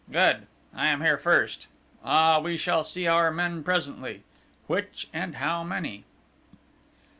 "Good! I am here first! Ah, we shall see our men presently! Which, and how many?"